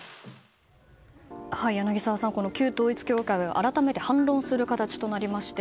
柳澤さん、旧統一教会が改めて反論する形となりまして